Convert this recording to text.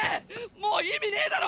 もう意味ねぇだろ